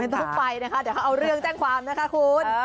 ต้องไปนะคะเดี๋ยวเขาเอาเรื่องแจ้งความนะคะคุณ